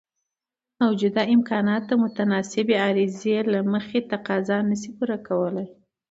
موجوده امکانات د متناسبې عرضې له مخې تقاضا نشي پوره کولای.